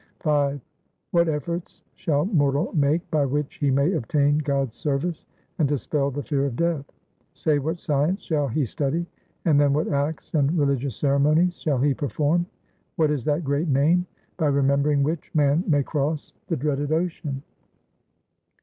V What efforts shall mortal make By which he may obtain God's service and dispel the fear of death ? Say what science shall he study, and then what acts and religious ceremonies shall he perform ? What is that great name, by remembering which man may cross the dreaded ocean